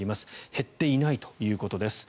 減っていないということです。